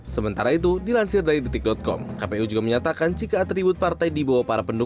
sementara itu dilansir dari detik com kpu juga menyatakan jika atribut partai dibawa para pendukung